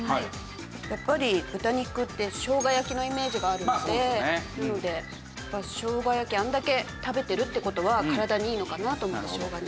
やっぱり豚肉ってしょうが焼きのイメージがあるのでなのでしょうが焼きあれだけ食べてるって事は体にいいのかなと思ってしょうがにしました。